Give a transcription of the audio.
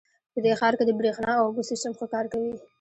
په دې ښار کې د بریښنا او اوبو سیسټم ښه کار کوي